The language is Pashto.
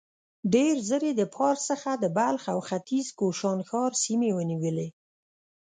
ډېر ژر يې د پارس څخه د بلخ او ختيځ کوشانښار سيمې ونيولې.